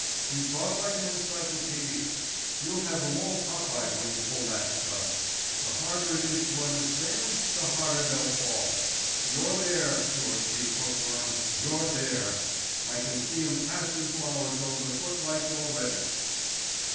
You talk like an encyclopedia. You'll have 'em all pop eyed when you pull that stuff. The harder it is to understand the harder they'll fall. You're there, George B. Bookworm, you're there. I can see 'em passin' flowers over the footlights already."